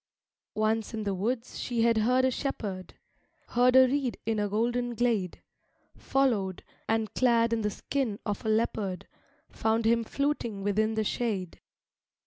II Once in the woods she had heard a shepherd, Heard a reed in a golden glade; Followed, and clad in the skin of a leopard, Found him fluting within the shade.